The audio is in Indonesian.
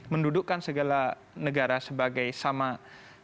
mendudukkan segala negara sebagai sama negara